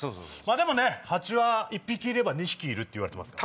でもね蜂は１匹いれば２匹いるっていわれてますから。